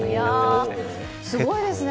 すごいですね。